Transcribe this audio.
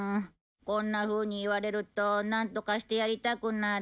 こんなふうに言われるとなんとかしてやりたくなる。